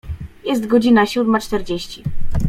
Jest godzina siódma czterdzieści.